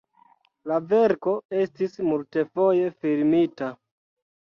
La verko estis multfoje filmita.